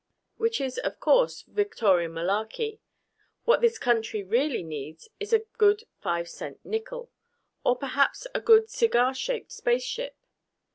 Which is, of course, Victorian malarkey. What this country really needs is a good five cent nickel. Or perhaps a good cigar shaped spaceship.